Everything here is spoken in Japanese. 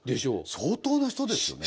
相当な人ですよね。